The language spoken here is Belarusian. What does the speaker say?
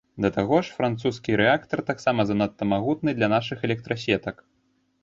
Да таго ж, французскі рэактар таксама занадта магутны для нашых электрасетак.